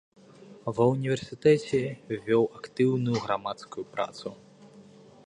Ва ўніверсітэце вёў актыўную грамадскую працу.